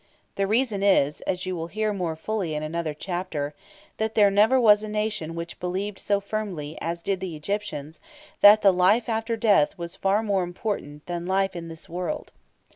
The reason is, as you will hear more fully in another chapter, that there never was a nation which believed so firmly as did the Egyptians that the life after death was far more important than life in this world.